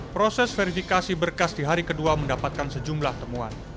proses verifikasi berkas di hari kedua mendapatkan sejumlah temuan